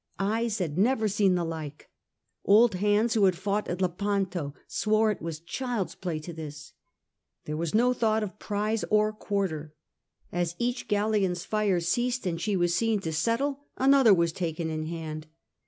Eyes had never seen the like. Old hands who had fought at Lepanto swore it was child's play to this. There was no thought of prize or quarter. As each galleon's fire ceased and she was seen to settle, another was taken in hand.